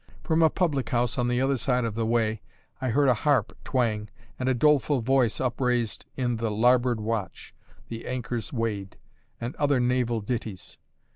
From a public house on the other side of the way, I heard a harp twang and a doleful voice upraised in the "Larboard Watch," "The Anchor's Weighed," and other naval ditties.